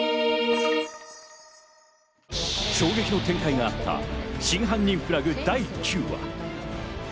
衝撃の展開があった『真犯人フラグ』第９話。